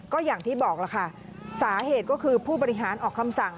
ก็อย่างที่บอกล่ะค่ะสาเหตุก็คือผู้บริหารออกคำสั่ง